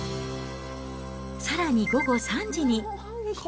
さらに午後３時に。